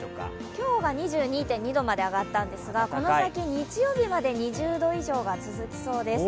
今日が２２．２度まで上がったんですが、この先日曜日まで２０度以上が続きそうです。